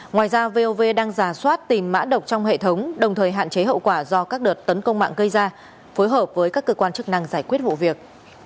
ngoài ra vov đang giả soát tìm mã độc trong hệ thống đồng thời hạn chế hậu quả do các đợt tấn công mạng gây ra phối hợp với các cơ quan chức năng giải quyết vụ việc